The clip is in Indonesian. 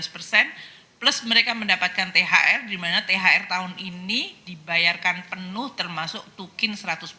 plus mereka mendapatkan thr di mana thr tahun ini dibayarkan penuh termasuk tukin seratus